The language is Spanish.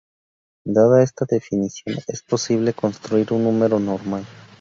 Dada esta definición, ¿es posible construir un número normal?